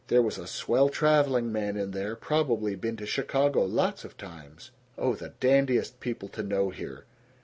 There was a swell traveling man in there probably been to Chicago, lots of times. Oh, the dandiest people to know here!